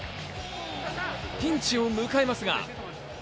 ピンチを迎えますが。